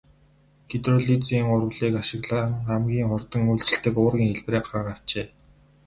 Гидролизын урвалыг ашиглан хамгийн хурдан үйлчилдэг уургийн хэлбэрийг гарган авчээ.